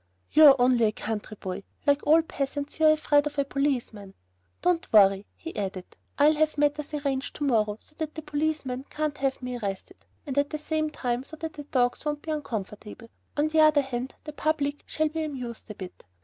"You are only a country boy. Like all peasants you are afraid of a policeman. "Don't worry," he added, "I'll have matters arranged to morrow so that the policeman can't have me arrested, and at the same time so that the dogs won't be uncomfortable. On the other hand, the public shall be amused a bit.